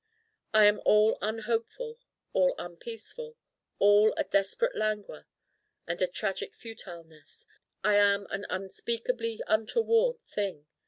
I am all unhopeful, all unpeaceful, all a desperate Languor and a tragic Futileness: I am an unspeakably untoward thing.